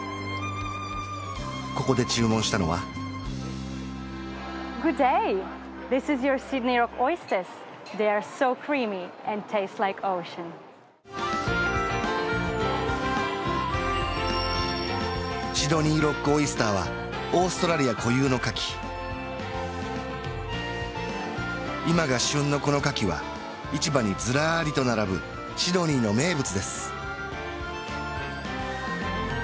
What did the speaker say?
ここで注文したのはシドニーロックオイスターはオーストラリア固有のかき今が旬のこのかきは市場にずらりと並ぶシドニーの名物です